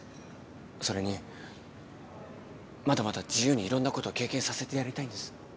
それにまだまだ自由にいろんなことを経験させてやりたいんです。